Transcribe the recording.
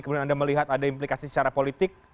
kemudian anda melihat ada implikasi secara politik